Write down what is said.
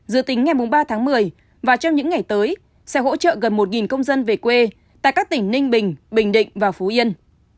dự tính ngày ba tháng một mươi và trong những ngày tới sẽ hỗ trợ gần một công dân về quê tại các tỉnh ninh bình bình định và phú yên